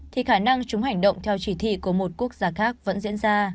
thì khả năng chúng hành động theo chỉ thị của một quốc gia khác vẫn diễn ra